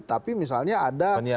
tapi misalnya ada